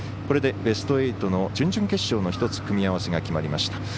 これでベスト８の準々決勝の１つ組み合わせが決まりました。